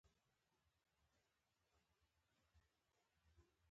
نورو کسانو ته سوغات ورکړ.